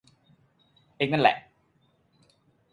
เอ็งนั่นแหละ